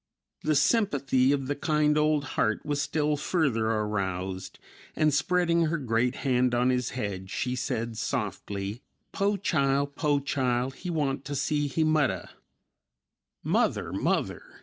The sympathy of the kind old heart was still further aroused and, spreading her great hand on his head, she said softly, "Po chile, po chile, he want ta see he muddah." "Mother, Mother!"